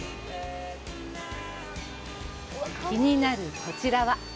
気になるこちらは。